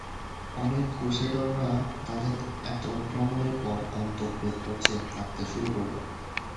অনেক ক্রুসেডাররা তাদের এত ভ্রমণের পর গন্তব্যে পৌঁছে কাঁদতে শুরু করলো।